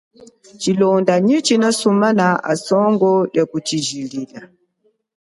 Tshilonda nyi tshina sumana usolo kutshijilila.